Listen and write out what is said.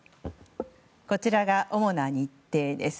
こちらが主な日程です。